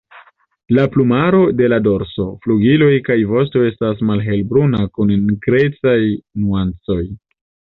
La plumaro de la dorso, flugiloj kaj vosto estas malhelbruna kun nigrecaj nuancoj.